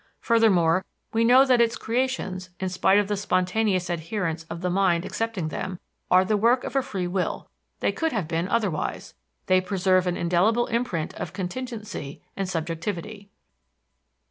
Furthermore, we know that its creations, in spite of the spontaneous adherence of the mind accepting them, are the work of a free will; they could have been otherwise they preserve an indelible imprint of contingency and subjectivity.